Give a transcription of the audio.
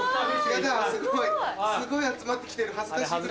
ヤダすごい集まってきてる恥ずかしい。